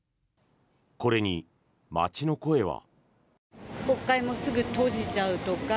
これに、街の声は。